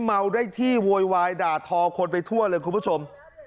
เมาได้ที่โวยวายด่าทอคนไปทั่วเลยคุณผู้ชม